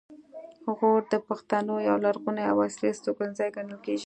غور د پښتنو یو لرغونی او اصلي استوګنځی ګڼل کیږي